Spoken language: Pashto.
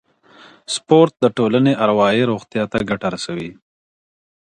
سپورت د ټولنې اروايي روغتیا ته ګټه رسوي.